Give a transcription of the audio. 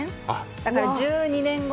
だから１２年後。